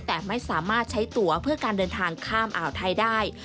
แต่ไม่สามารถใช้ตัวเพื่อการเดินทางข้ามอ่าวไทยได้